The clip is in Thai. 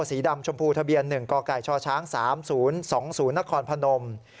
สีดำชมพูทะเบียน๑กกชช๓๐๒๐นครพนม